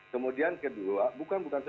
kemudian kedua bukan bukan c satu